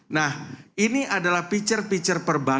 nah ini adalah picture picture perbankan